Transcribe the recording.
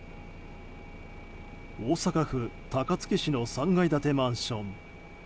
大阪府高槻市の３階建てマンション。